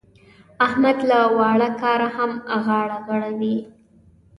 احمد له واړه کاره هم غاړه غړوي.